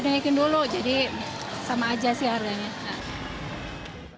naikin dulu jadi sama aja sih harganya